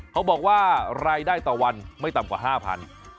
เขาบอกว่ารายได้ต่อวันไม่ต่ำกว่า๕๐๐บาท